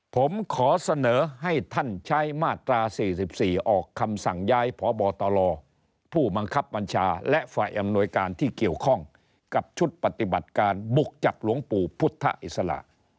ผมขอเสนอให้ท่านใช้มาตรา๔๔ออกคำสั่งย้ายพบตลผู้บังคับบัญชาและฝ่ายอำนวยการที่เกี่ยวข้องกับชุดปฏิบัติการบุกจับหลวงปู่พุทธอิสระ